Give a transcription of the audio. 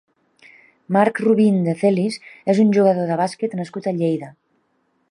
Marc Rubin de Celis és un jugador de bàsquet nascut a Lleida.